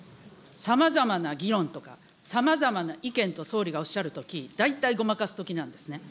さまざまな議論とかさまざまな意見と、総理がおっしゃるとき、大体ごまかすときなんですね。